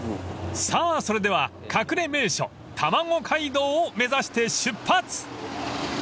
［さあそれでは隠れ名所たまご街道を目指して出発］